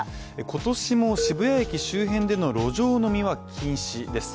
今年も渋谷駅周辺での路上飲みは禁止です。